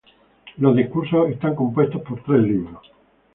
Los "Discursos" están compuestos por tres libros.